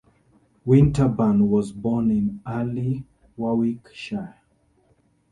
Winterburn was born in Arley, Warwickshire.